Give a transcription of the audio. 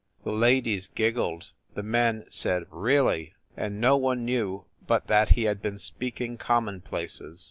The ladies giggled, the men said "Really!" and no one knefw but that he had been speaking commonplaces.